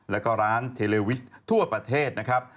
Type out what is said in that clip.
แล้วก็ร้านเทเลวิชทั่วประเทศนะครับ